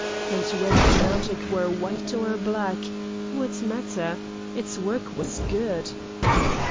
And whether the magic were white or black—what matter? Its work was good.